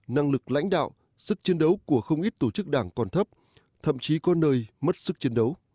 năng lực lãnh đạo sức chiến đấu của không ít tổ chức đảng còn thấp thậm chí có nơi mất sức chiến đấu